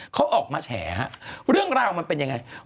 เขาออกมาแฉเรื่องราวมันเป็นยังไง